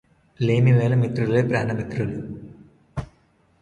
లేమివేళ మిత్రులే ప్రాణమిత్రులు